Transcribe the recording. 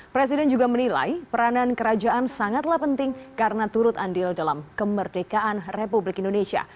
presiden juga menilai peranan kerajaan sangatlah penting karena turut andil dalam kemerdekaan republik indonesia